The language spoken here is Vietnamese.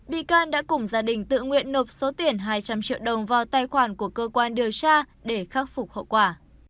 bị can đã cùng gia đình tự nguyện nộp số tiền hai trăm linh triệu đồng vào tài khoản của cơ quan điều tra để khắc phục hậu quả